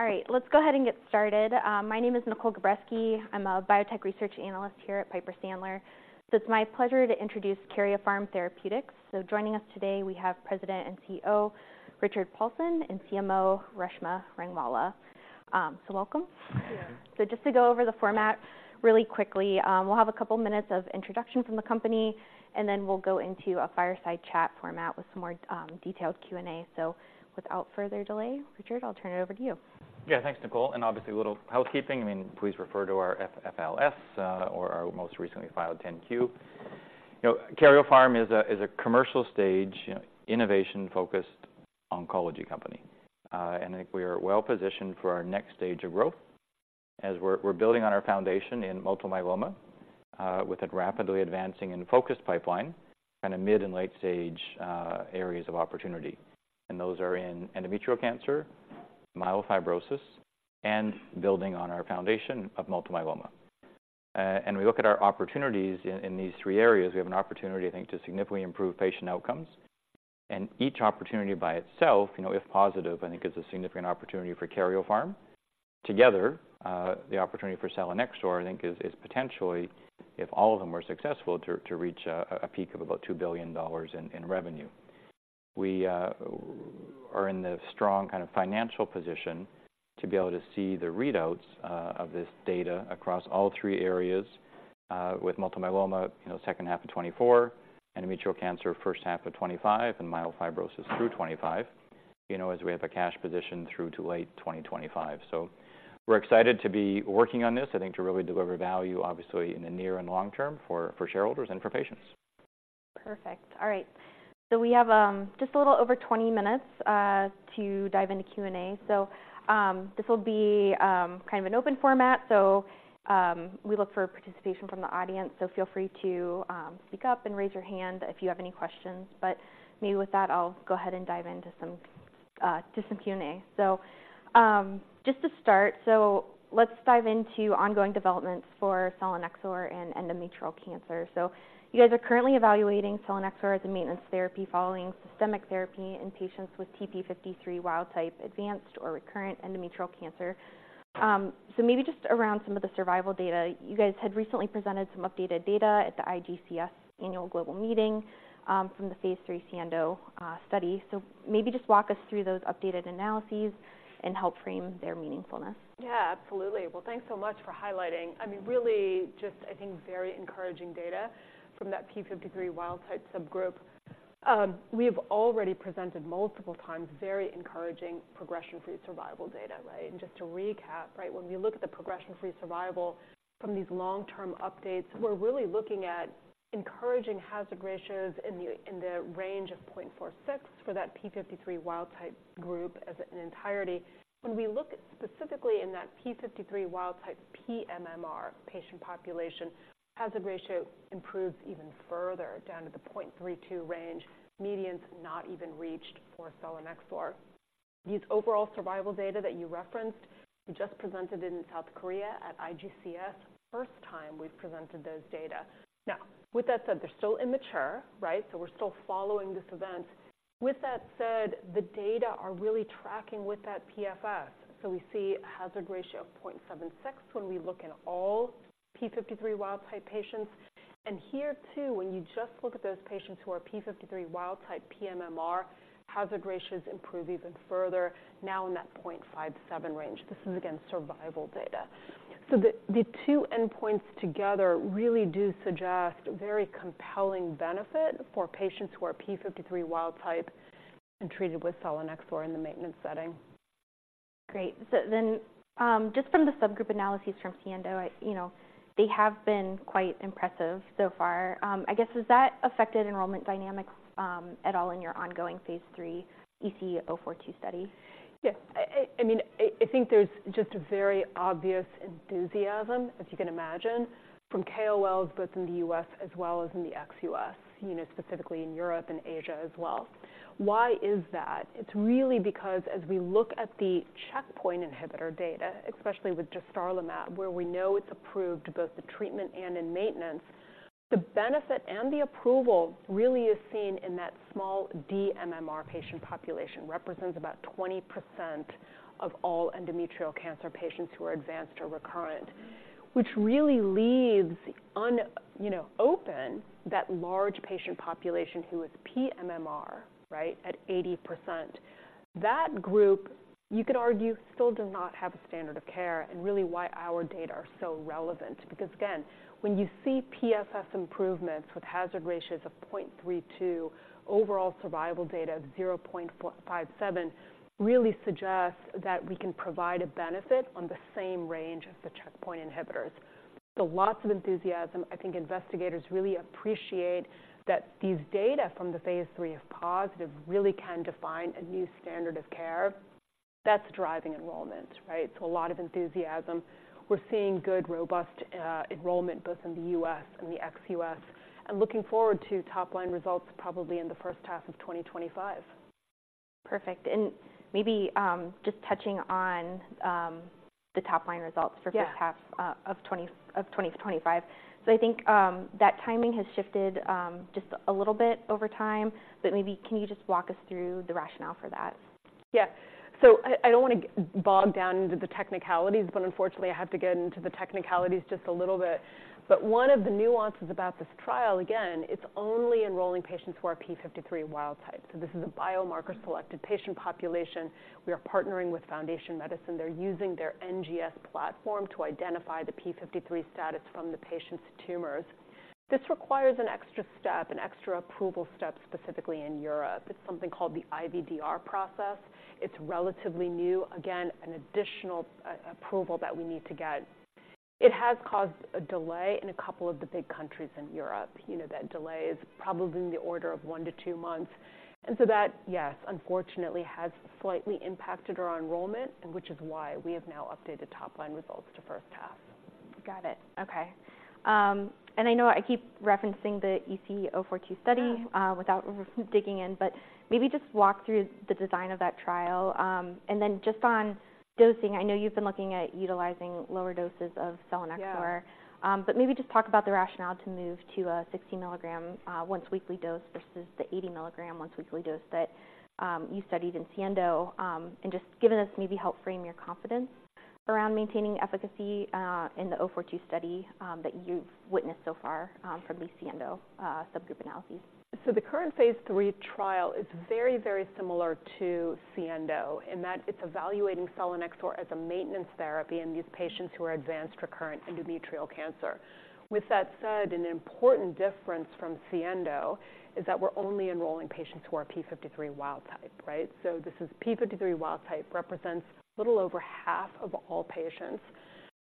All right, let's go ahead and get started. My name is Nicole Gabreski. I'm a biotech research analyst here at Piper Sandler. It's my pleasure to introduce Karyopharm Therapeutics. Joining us today, we have President and CEO Richard Paulson, and CMO Reshma Rangwala. Welcome. Thank you. Just to go over the format really quickly, we'll have a couple minutes of introduction from the company, and then we'll go into a fireside chat format with some more detailed Q&A. Without further delay, Richard, I'll turn it over to you. Yeah, thanks, Nicole, and obviously, a little housekeeping. I mean, please refer to our FFLs or our most recently filed 10-Q. You know, Karyopharm is a commercial stage, innovation-focused oncology company. And I think we are well positioned for our next stage of growth as we're building on our foundation in multiple myeloma with a rapidly advancing and focused pipeline and a mid- and late-stage areas of opportunity. And those are in endometrial cancer, myelofibrosis, and building on our foundation of multiple myeloma. And we look at our opportunities in these three areas. We have an opportunity, I think, to significantly improve patient outcomes, and each opportunity by itself, you know, if positive, I think is a significant opportunity for Karyopharm. Together, the opportunity for selinexor, I think, is, is potentially, if all of them were successful, to, to reach a, a peak of about $2 billion in, in revenue. We, are in the strong kind of financial position to be able to see the readouts, of this data across all three areas, with multiple myeloma, you know, second half of 2024, endometrial cancer first half of 2025, and myelofibrosis through 2025. You know, as we have a cash position through to late 2025. So we're excited to be working on this, I think, to really deliver value, obviously, in the near and long term for, for shareholders and for patients. Perfect. All right. So we have just a little over 20 minutes to dive into Q&A. So this will be kind of an open format, so we look for participation from the audience, so feel free to speak up and raise your hand if you have any questions. But maybe with that, I'll go ahead and dive into some to some Q&A. So just to start, so let's dive into ongoing developments for selinexor and endometrial cancer. So you guys are currently evaluating selinexor as a maintenance therapy following systemic therapy in patients with TP53 wild-type, advanced or recurrent endometrial cancer. So maybe just around some of the survival data. You guys had recently presented some updated data at the IGCS Annual Global Meeting from the phase III SIENDO study. Maybe just walk us through those updated analyses and help frame their meaningfulness. Yeah, absolutely. Well, thanks so much for highlighting. I mean, really just, I think, very encouraging data from that p53 wild-type subgroup. We have already presented multiple times very encouraging progression-free survival data, right? And just to recap, right, when we look at the progression-free survival from these long-term updates, we're really looking at encouraging hazard ratios in the, in the range of 0.46 for that p53 wild-type group as an entirety. When we look specifically in that p53 wild-type pMMR patient population, hazard ratio improves even further, down to the 0.32 range, medians not even reached for selinexor. These overall survival data that you referenced, we just presented in South Korea at IGCS. First time we've presented those data. Now, with that said, they're still immature, right? So we're still following this event. With that said, the data are really tracking with that PFS. So we see a hazard ratio of 0.76 when we look at all p53 wild-type patients. And here too, when you just look at those patients who are p53 wild-type pMMR, hazard ratios improve even further, now in that 0.57 range. This is again, survival data. So the two endpoints together really do suggest very compelling benefit for patients who are p53 wild-type and treated with selinexor in the maintenance setting. Great. So then, just from the subgroup analyses from SIENDO, you know, they have been quite impressive so far. I guess, has that affected enrollment dynamics at all in your ongoing phase III EC-042 study? Yes. I mean, I think there's just a very obvious enthusiasm, as you can imagine, from KOLs, both in the U.S. as well as in the ex-U.S., you know, specifically in Europe and Asia as well. Why is that? It's really because as we look at the checkpoint inhibitor data, especially with just dostarlimab, where we know it's approved, both the treatment and in maintenance, the benefit and the approval really is seen in that small dMMR patient population, represents about 20% of all endometrial cancer patients who are advanced or recurrent. Which really leaves you know, open that large patient population who is pMMR, right, at 80%. That group, you could argue, still does not have a standard of care and really why our data are so relevant, because again, when you see PFS improvements with hazard ratios of 0.32, overall survival data of 0.57, really suggests that we can provide a benefit on the same range as the checkpoint inhibitors. So lots of enthusiasm. I think investigators really appreciate that these data from the phase III SIENDO positive really can define a new standard of care. That's driving enrollment, right? So a lot of enthusiasm. We're seeing good, robust enrollment both in the US and the ex-US, and looking forward to top-line results, probably in the first half of 2025. Perfect. And maybe just touching on the top line results. Yeah. for first half of 2025. So I think that timing has shifted just a little bit over time, but maybe can you just walk us through the rationale for that? Yeah. So I, I don't want to bog down into the technicalities, but unfortunately, I have to get into the technicalities just a little bit. But one of the nuances about this trial, again, it's only enrolling patients who are p53 wild-type. So this is a biomarker-selected patient population. We are partnering with Foundation Medicine. They're using their NGS platform to identify the p53 status from the patient's tumors. This requires an extra step, an extra approval step, specifically in Europe. It's something called the IVDR process. It's relatively new, again, an additional approval that we need to get. It has caused a delay in a couple of the big countries in Europe. You know, that delay is probably in the order of one to two months, and so that, yes, unfortunately, has slightly impacted our enrollment, and which is why we have now updated top-line results to first half. Got it. Okay. And I know I keep referencing the EC-042 study- Yeah. without digging in, but maybe just walk through the design of that trial. And then just on dosing, I know you've been looking at utilizing lower doses of selinexor. Yeah. But maybe just talk about the rationale to move to a 60 mg, once-weekly dose versus the 80 mg once-weekly dose that, you studied in SIENDO. And just given us maybe help frame your confidence around maintaining efficacy, in the 042 study, that you've witnessed so far, from the SIENDO, subgroup analyses. So the current phase III trial is very, very similar to SIENDO in that it's evaluating selinexor as a maintenance therapy in these patients who are advanced recurrent endometrial cancer. With that said, an important difference from SIENDO is that we're only enrolling patients who are p53 wild-type, right? So this is p53 wild-type, represents a little over half of all patients.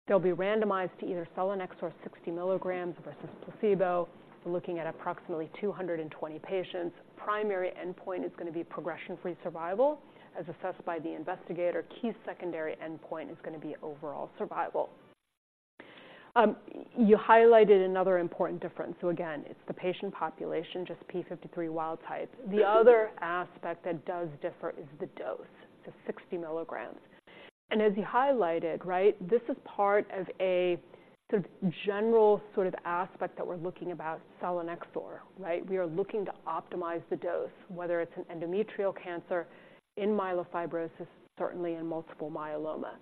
They'll be randomized to either selinexor 60 mg versus placebo. We're looking at approximately 220 patients. Primary endpoint is going to be progression-free survival, as assessed by the investigator. Key secondary endpoint is going to be overall survival. You highlighted another important difference. So again, it's the patient population, just p53 wild-type. The other aspect that does differ is the dose, the 60 mg. And as you highlighted, right, this is part of a sort of general sort of aspect that we're looking about selinexor, right? We are looking to optimize the dose, whether it's an endometrial cancer in myelofibrosis, certainly in multiple myeloma.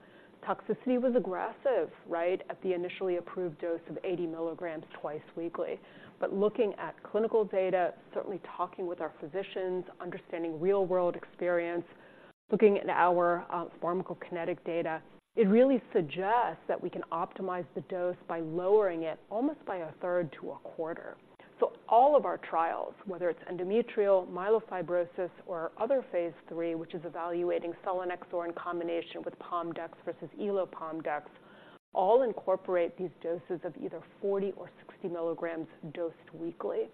Toxicity was aggressive, right, at the initially approved dose of 80 mg twice weekly. But looking at clinical data, certainly talking with our physicians, understanding real-world experience, looking at our, pharmacokinetic data, it really suggests that we can optimize the dose by lowering it almost by a third to a quarter. So all of our trials, whether it's endometrial, myelofibrosis, or other Phase III, which is evaluating selinexor in combination with Pom dex versus Elo-Pom dex, all incorporate these doses of either 40 or 60 mg dosed weekly.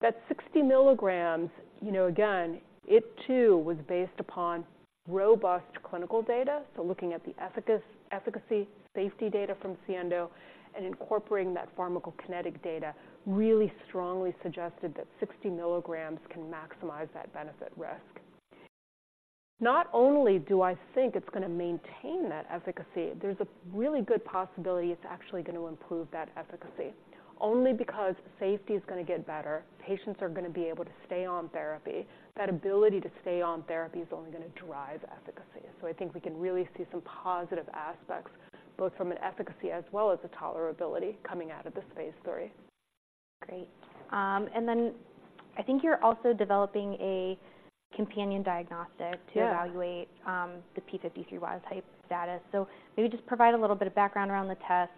That 60 mg, you know, again, it too, was based upon robust clinical data. So looking at the efficacy, safety data from SIENDO and incorporating that pharmacokinetic data, really strongly suggested that 60 mg can maximize that benefit risk. Not only do I think it's going to maintain that efficacy, there's a really good possibility it's actually going to improve that efficacy. Only because safety is going to get better, patients are going to be able to stay on therapy. That ability to stay on therapy is only going to drive efficacy. So I think we can really see some positive aspects, both from an efficacy as well as a tolerability coming out of this phase III. Great. And then I think you're also developing a companion diagnostic- Yeah. -to evaluate the p53 wild-type status. So maybe just provide a little bit of background around the test,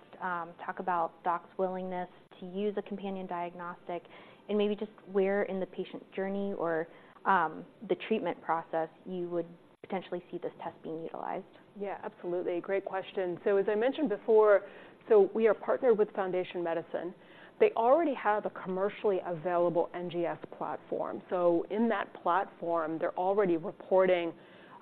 talk about docs' willingness to use a companion diagnostic, and maybe just where in the patient journey or the treatment process you would potentially see this test being utilized. Yeah, absolutely. Great question. So as I mentioned before, so we are partnered with Foundation Medicine. They already have a commercially available NGS platform. So in that platform, they're already reporting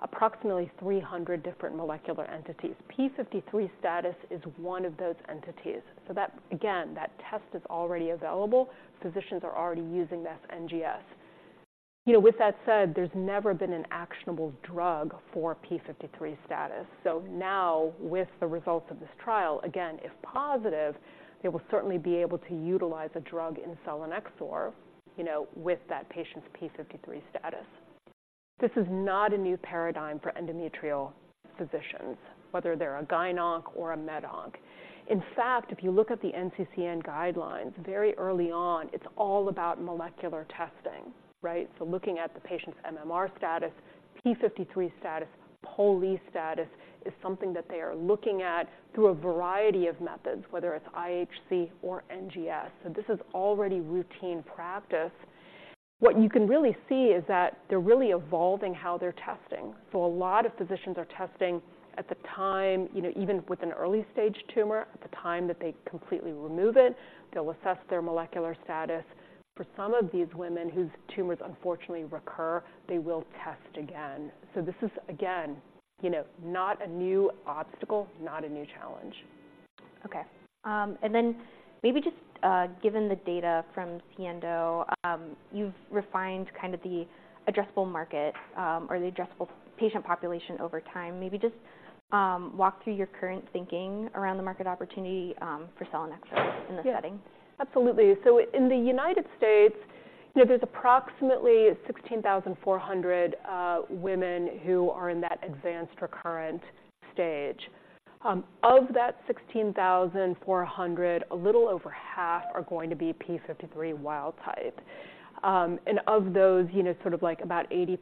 approximately 300 different molecular entities. p53 status is one of those entities. So that, again, that test is already available. Physicians are already using this NGS. You know, with that said, there's never been an actionable drug for p53 status. So now, with the results of this trial, again, if positive, they will certainly be able to utilize a drug in selinexor, you know, with that patient's p53 status. This is not a new paradigm for endometrial physicians, whether they're a gyn-onc or a medonc. In fact, if you look at the NCCN guidelines, very early on, it's all about molecular testing, right? So looking at the patient's MMR status, p53 status, POLE status is something that they are looking at through a variety of methods, whether it's IHC or NGS. So this is already routine practice. What you can really see is that they're really evolving how they're testing. So a lot of physicians are testing at the time, you know, even with an early-stage tumor, at the time that they completely remove it, they'll assess their molecular status. For some of these women whose tumors unfortunately recur, they will test again. So this is, again, you know, not a new obstacle, not a new challenge.... Okay. And then maybe just, given the data from SIENDO, you've refined kind of the addressable market, or the addressable patient population over time. Maybe just, walk through your current thinking around the market opportunity, for selinexor in this setting. Yeah, absolutely. So in the United States, you know, there's approximately 16,400 women who are in that advanced recurrent stage. Of that 16,400, a little over half are going to be p53 wild-type. And of those, you know, sort of like about 80%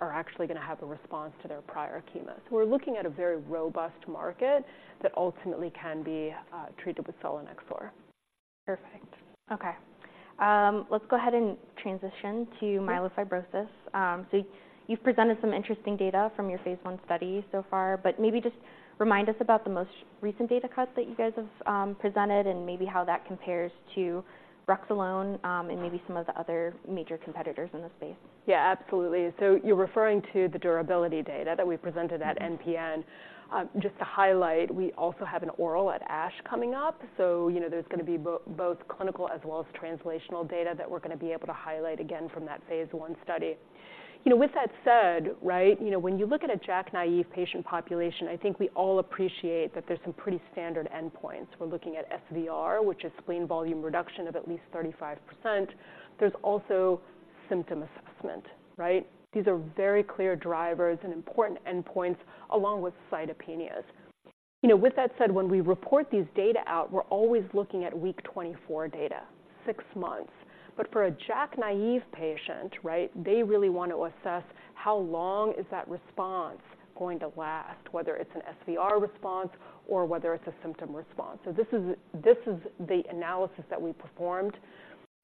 are actually going to have a response to their prior chemo. So we're looking at a very robust market that ultimately can be treated with selinexor. Perfect. Okay. Let's go ahead and transition to myelofibrosis. So you've presented some interesting data from your phase I study so far, but maybe just remind us about the most recent data cut that you guys have presented and maybe how that compares to ruxolitinib, and maybe some of the other major competitors in the space. Yeah, absolutely. So you're referring to the durability data that we presented at MPN. Just to highlight, we also have an oral at ASH coming up. So, you know, there's going to be both clinical as well as translational data that we're going to be able to highlight again from that phase I study. You know, with that said, right, you know, when you look at a JAK-naive patient population, I think we all appreciate that there's some pretty standard endpoints. We're looking at SVR, which is spleen volume reduction of at least 35%. There's also symptom assessment, right? These are very clear drivers and important endpoints along with cytopenias. You know, with that said, when we report these data out, we're always looking at week 24 data, six months. But for a JAK-naive patient, right, they really want to assess how long is that response going to last, whether it's an SVR response or whether it's a symptom response. So this is, this is the analysis that we performed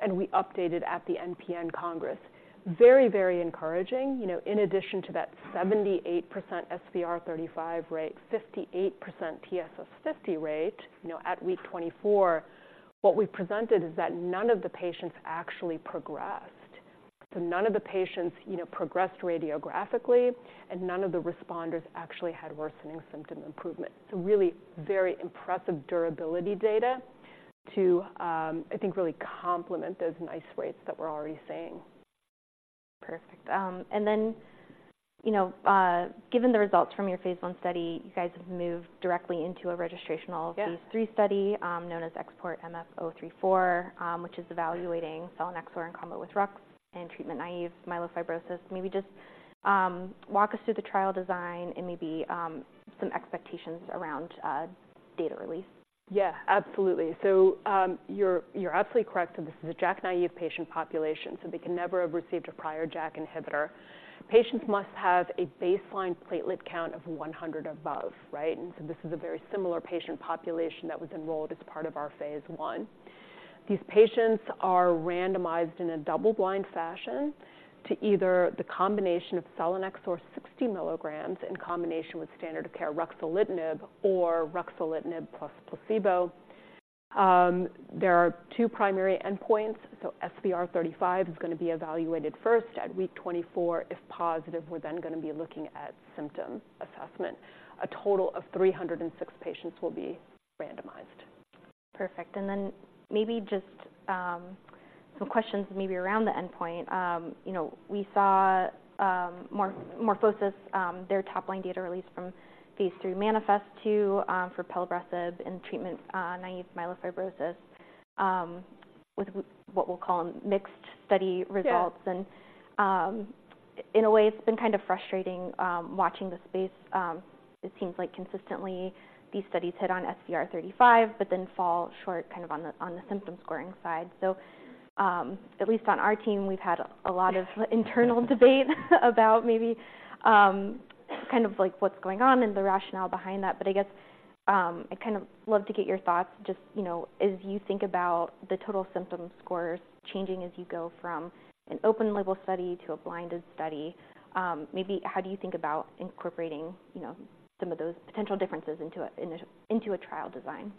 and we updated at the MPN Congress. Very, very encouraging. You know, in addition to that 78% SVR35 rate, 58% TSS50 rate, you know, at week 24, what we presented is that none of the patients actually progressed. So none of the patients, you know, progressed radiographically, and none of the responders actually had worsening symptom improvement. So really very impressive durability data to, I think, really complement those nice rates that we're already seeing. Perfect. And then, you know, given the results from your phase I study, you guys have moved directly into a registrational- Yeah... phase III study, known as XPORT-MF-034, which is evaluating selinexor in combo with RUX and treatment-naive myelofibrosis. Maybe just, walk us through the trial design and maybe, some expectations around, data release. Yeah, absolutely. So, you're absolutely correct. So this is a JAK-naive patient population, so they can never have received a prior JAK inhibitor. Patients must have a baseline platelet count of 100 above, right? And so this is a very similar patient population that was enrolled as part of our phase I. These patients are randomized in a double-blind fashion to either the combination of selinexor 60 mg in combination with standard of care, ruxolitinib, or ruxolitinib plus placebo. There are two primary endpoints, so SVR 35 is going to be evaluated first at week 24. If positive, we're then going to be looking at symptom assessment. A total of 306 patients will be randomized. Perfect. And then maybe just some questions maybe around the endpoint. You know, we saw MorphoSys their top-line data release from phase III MANIFEST-2 for pelabresib in treatment-naive myelofibrosis with what we'll call mixed study results. Yeah. In a way, it's been kind of frustrating watching the space. It seems like consistently these studies hit on SVR 35, but then fall short kind of on the symptom scoring side. At least on our team, we've had a lot of- Yeah. internal debate about maybe, kind of like what's going on and the rationale behind that. But I guess, I'd kind of love to get your thoughts, just, you know, as you think about the total symptom scores changing as you go from an open label study to a blinded study, maybe how do you think about incorporating, you know, some of those potential differences into a trial design?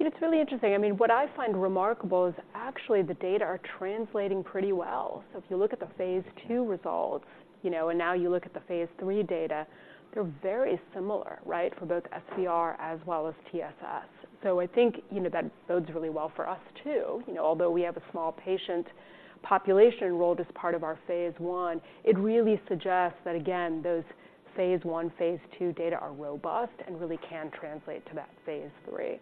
It's really interesting. I mean, what I find remarkable is actually the data are translating pretty well. So if you look at the phase II results, you know, and now you look at the phase III data, they're very similar, right? For both SVR as well as TSS. So I think, you know, that bodes really well for us, too. You know, although we have a small patient population enrolled as part of our phase I, it really suggests that, again, those phase I, phase II data are robust and really can translate to that phase III.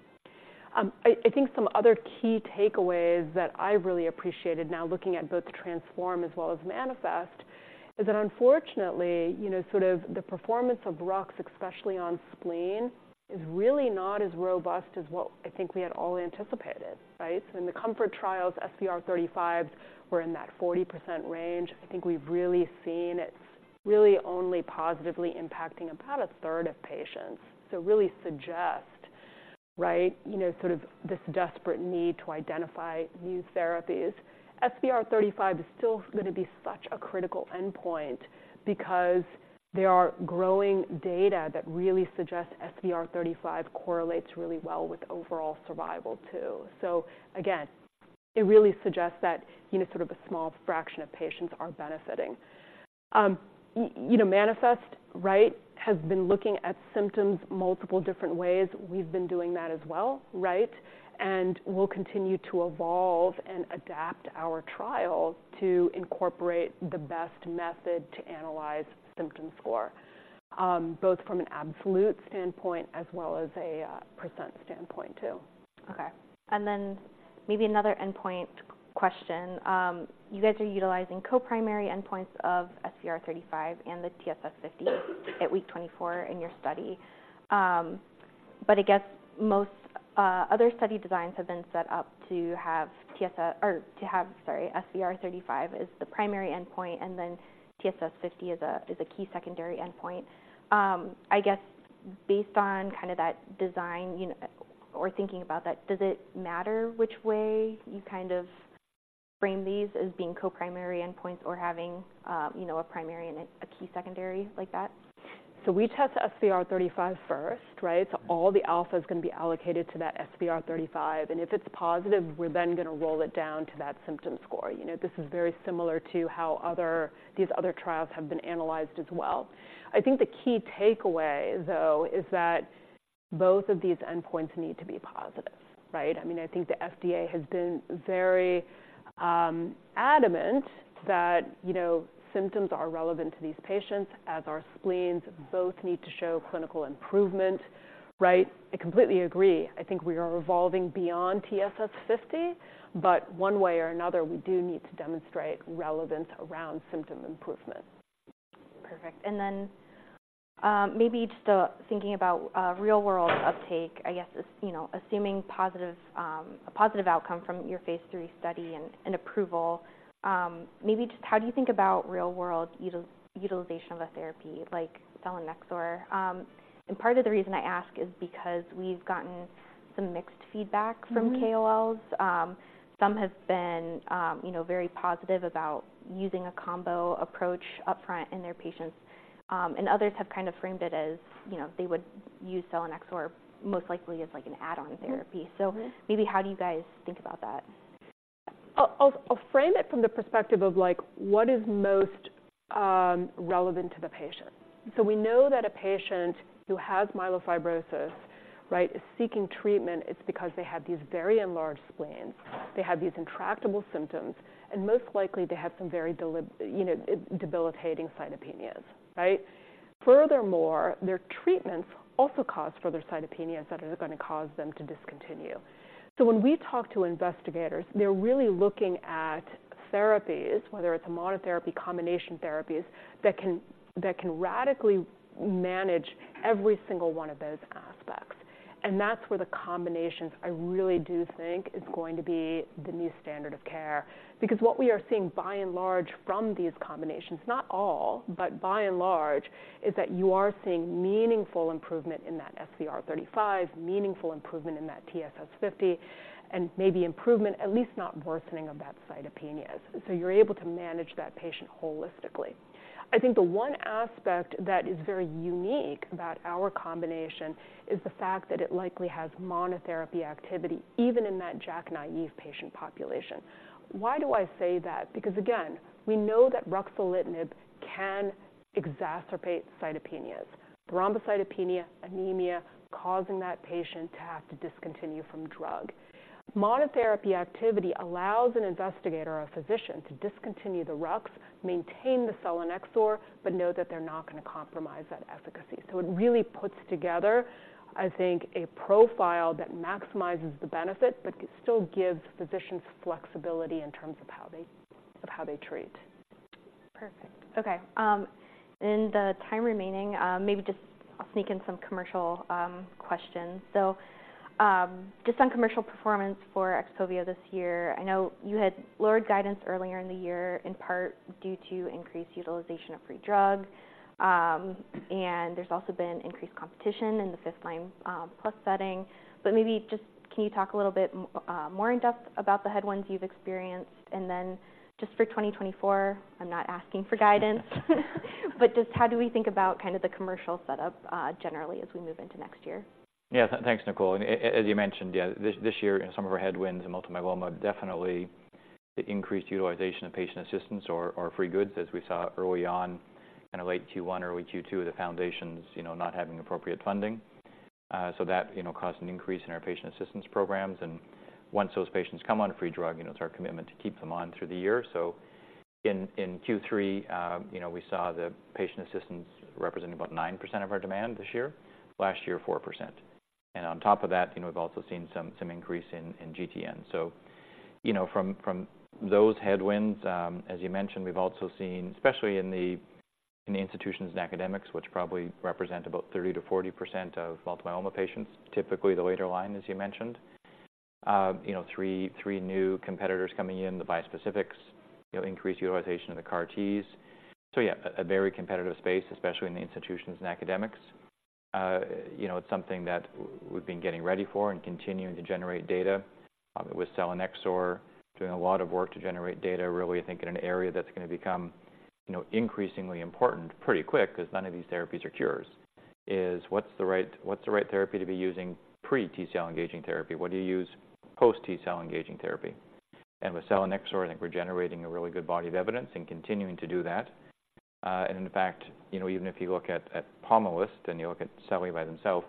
I think some other key takeaways that I really appreciated now, looking at both TRANSFORM as well as MANIFEST, is that unfortunately, you know, sort of the performance of RUX, especially on spleen, is really not as robust as what I think we had all anticipated, right? So in the COMFORT trials, SVR35 were in that 40% range. I think we've really seen it's really only positively impacting about a third of patients. So really suggest, right, you know, sort of this desperate need to identify new therapies. SVR35 is still going to be such a critical endpoint because there are growing data that really suggest SVR35 correlates really well with overall survival, too. So again, it really suggests that, you know, sort of a small fraction of patients are benefiting. You know, Manifest, right, has been looking at symptoms multiple different ways. We've been doing that as well, right? And we'll continue to evolve and adapt our trial to incorporate the best method to analyze symptom score, both from an absolute standpoint as well as a percent standpoint, too. Okay, and then maybe another endpoint question. You guys are utilizing co-primary endpoints of SVR35 and the TSS50 at week 24 in your study. But I guess most other study designs have been set up to have, sorry, SVR35 as the primary endpoint, and then TSS50 as a key secondary endpoint. I guess based on kind of that design, you know, or thinking about that, does it matter which way you kind of frame these as being co-primary endpoints or having, you know, a primary and a key secondary like that? So we test SVR35 first, right? So all the alpha is going to be allocated to that SVR35, and if it's positive, we're then going to roll it down to that symptom score. You know, this is very similar to how these other trials have been analyzed as well. I think the key takeaway, though, is that both of these endpoints need to be positive, right? I mean, I think the FDA has been very adamant that, you know, symptoms are relevant to these patients, as our spleens both need to show clinical improvement, right? I completely agree. I think we are evolving beyond TSS50, but one way or another, we do need to demonstrate relevance around symptom improvement. Perfect. Then, maybe just thinking about real-world uptake, I guess, you know, assuming a positive outcome from your phase III study and approval, maybe just how do you think about real-world utilization of a therapy like selinexor? And part of the reason I ask is because we've gotten some mixed feedback- Mm-hmm. -from KOLs. Some have been, you know, very positive about using a combo approach upfront in their patients, and others have kind of framed it as, you know, they would use selinexor most likely as, like, an add-on therapy. Mm-hmm. Maybe how do you guys think about that? I'll frame it from the perspective of, like, what is most relevant to the patient. So we know that a patient who has myelofibrosis, right, is seeking treatment, it's because they have these very enlarged spleens, they have these intractable symptoms, and most likely, they have some very debilitating cytopenias, right? Furthermore, their treatments also cause further cytopenias that are going to cause them to discontinue. So when we talk to investigators, they're really looking at therapies, whether it's monotherapy, combination therapies, that can radically manage every single one of those aspects. And that's where the combinations, I really do think, is going to be the new standard of care. Because what we are seeing by and large from these combinations, not all, but by and large, is that you are seeing meaningful improvement in that SVR35, meaningful improvement in that TSS50, and maybe improvement, at least not worsening of that cytopenias. So you're able to manage that patient holistically. I think the one aspect that is very unique about our combination is the fact that it likely has monotherapy activity, even in that JAK-naive patient population. Why do I say that? Because again, we know that ruxolitinib can exacerbate cytopenias, thrombocytopenia, anemia, causing that patient to have to discontinue from drug. Monotherapy activity allows an investigator or a physician to discontinue the RUX, maintain the selinexor, but know that they're not going to compromise that efficacy. So it really puts together, I think, a profile that maximizes the benefit, but still gives physicians flexibility in terms of how they treat. Perfect. Okay, in the time remaining, maybe just I'll sneak in some commercial questions. So, just on commercial performance for XPOVIO this year, I know you had lowered guidance earlier in the year, in part due to increased utilization of free drug. And there's also been increased competition in the fifth-line plus setting. But maybe just can you talk a little bit more in depth about the headwinds you've experienced? And then just for 2024, I'm not asking for guidance, but just how do we think about kind of the commercial setup, generally as we move into next year? Yeah, thanks, Nicole. As you mentioned, yeah, this year, some of our headwinds in multiple myeloma, definitely the increased utilization of patient assistance or free goods, as we saw early on in late Q1, early Q2 of the foundations, you know, not having appropriate funding. So that, you know, caused an increase in our patient assistance programs. And once those patients come on a free drug, you know, it's our commitment to keep them on through the year. So in Q3, you know, we saw the patient assistance representing about 9% of our demand this year. Last year, 4%. And on top of that, you know, we've also seen some increase in GTN. So, you know, from those headwinds, as you mentioned, we've also seen, especially in the institutions and academics, which probably represent about 30%-40% of multiple myeloma patients, typically the later line, as you mentioned. You know, three new competitors coming in, the bispecifics, you know, increased utilization of the CAR Ts. So yeah, a very competitive space, especially in the institutions and academics. You know, it's something that we've been getting ready for and continuing to generate data with selinexor, doing a lot of work to generate data. Really, I think in an area that's going to become, you know, increasingly important pretty quick, because none of these therapies are cures, is what's the right, what's the right therapy to be using pre-T cell engaging therapy? What do you use post T cell engaging therapy? And with selinexor, I think we're generating a really good body of evidence and continuing to do that. And in fact, you know, even if you look at, at Pomalyst and you look at selinexor by themself,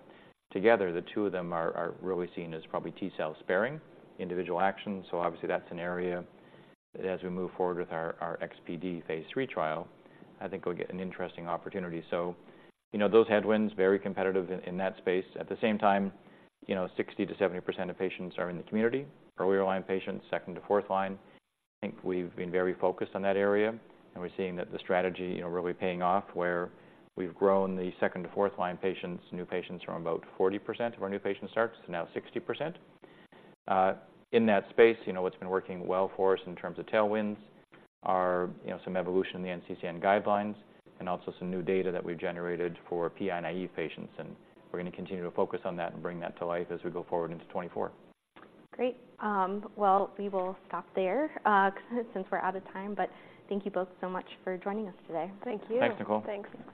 together, the two of them are, are really seen as probably T cell sparing individual actions. So obviously, that's an area that as we move forward with our, our XPD phase III trial, I think we'll get an interesting opportunity. So, you know, those headwinds, very competitive in, in that space. At the same time, you know, 60%-70% of patients are in the community, earlier line patients, second to fourth line. I think we've been very focused on that area, and we're seeing that the strategy, you know, really paying off, where we've grown the second to fourth line patients, new patients, from about 40% of our new patient starts to now 60%. In that space, you know, what's been working well for us in terms of tailwinds are, you know, some evolution in the NCCN guidelines and also some new data that we've generated for PI-naive patients, and we're going to continue to focus on that and bring that to life as we go forward into 2024. Great. Well, we will stop there, since we're out of time, but thank you both so much for joining us today. Thank you. Thanks, Nicole. Thanks.